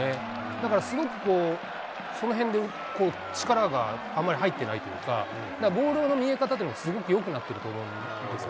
だからすごくこう、そのへんで力があんまり入ってないというか、ボールの見え方でも、すごくよくなってると思うんですよ。